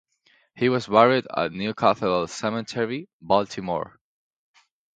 He was buried at New Cathedral Cemetery, Baltimore.